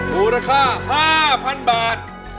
มูลค่า๕๐๐๐บาท